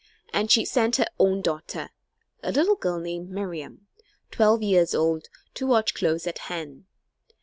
And she sent her own daughter, a little girl named Miriam, twelve years old, to watch close at hand.